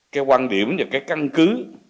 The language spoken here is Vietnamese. cái quan điểm và cái căn cứ